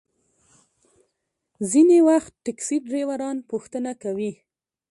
ځینې وخت ټکسي ډریوران پوښتنه کوي.